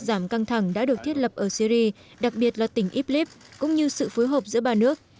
giảm căng thẳng đã được thiết lập ở syri đặc biệt là tỉnh iblis cũng như sự phối hợp giữa ba nước